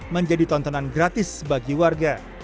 menjadi tontonan gratis bagi warga